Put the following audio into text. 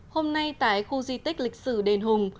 hôm nay tại khu di tích lịch sử đền hùng